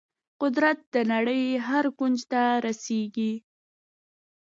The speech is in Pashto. قدرت د نړۍ هر کونج ته رسیږي.